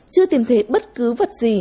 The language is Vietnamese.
chưa tìm thấy bất cứ vật gì